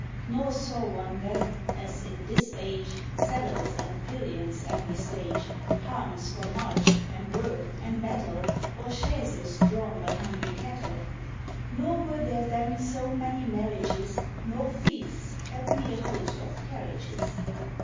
Nor saw one then, as in this age, Saddles and pillions every stage, Harness for march, and work, and battle, Or chaises drawn by hungry cattle. Nor were there then so many marriages, Nor feasts that need a host of carriages.